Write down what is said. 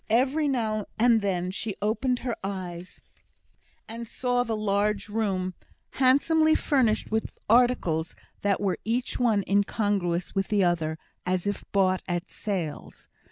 Every now and then she opened her eyes, and saw the large room, handsomely furnished with articles that were each one incongruous with the other, as if bought at sales.